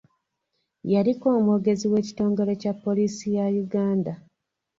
Yaliko omwogezi w'ekitongole kya poliisi ya Uganda